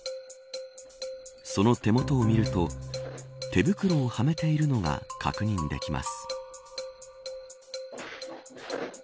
その手元を見ると手袋をはめているのが確認できます。